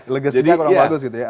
legasinya kurang bagus gitu ya